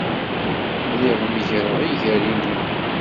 Lliɣ meggreɣ iger-inu.